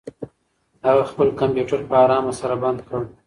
هغه خپل کمپیوټر په ارامه سره بند کړ.